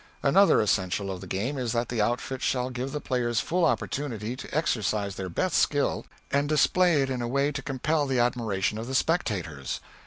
Another essential of the game is that the outfit shall give the players full opportunity to exercise their best skill, and display it in a way to compel the admiration of the spectators.